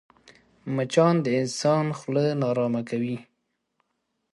مچان د انسان خوله ناارامه کوي